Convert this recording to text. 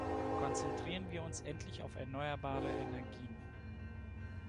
Konzentrieren wir uns endlich auf erneuerbare Energien!